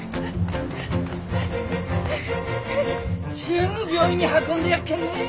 すぐ病院に運んでやっけんね。